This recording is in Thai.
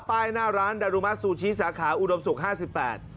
ป้ายหน้าร้านดารุมะซูชิสาขาอุดมศูกร์๕๘